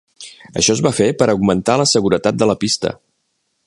Això es va fer per augmentar la seguretat de la pista.